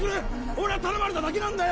俺は頼まれただけなんだよ！